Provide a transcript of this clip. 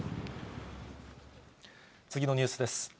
次のニュースです。